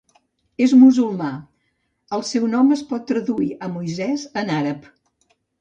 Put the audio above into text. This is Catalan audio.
És musulmà. El seu nom es pot traduir a Moisès en àrab.